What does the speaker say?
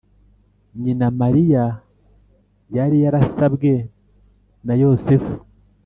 Nyina Mariya yari yarasabwe na Yosefu,